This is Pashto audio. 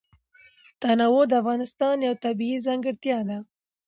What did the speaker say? تنوع د افغانستان یوه طبیعي ځانګړتیا ده.